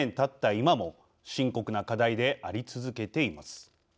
今も深刻な課題であり続けています。